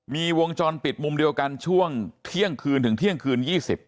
มีวงจรปิดมุมเดียวกันช่วงเที่ยงคืนถึงเที่ยงคืน๒๐